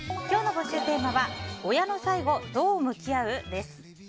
今日の募集テーマは親の最期どう向き合う？です。